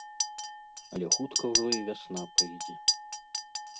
Але хутка ўжо і вясна прыйдзе.